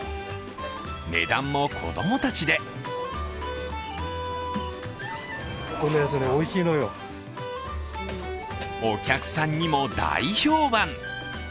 値段も子供たちでお客さんにも大評判。